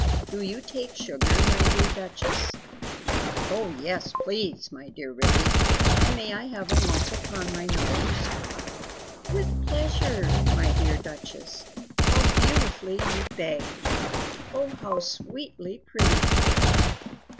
Do you take sugar, my dear Duchess?" "Oh yes, please! my dear Ribby; and may I have a lump upon my nose?" "With pleasure, my dear Duchess; how beautifully you beg! Oh, how sweetly pretty!"